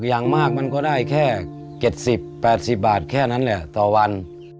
อย่างมากมันก็ได้แค่๗๐๘๐บาทแค่นั้นแหละต่อวัน